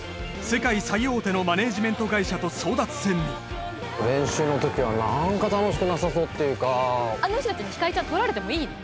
世界最大手のマネジメント会社と争奪戦に練習の時は何か楽しくなさそうっていうかあの人達にひかりちゃんとられてもいいの？